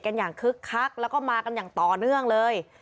กันอย่างคึกฆักคือก็มากันต่อเนื่องเลย